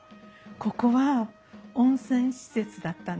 ここは温泉施設だったんです。